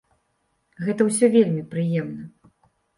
Гэта ўсё вельмі прыемна.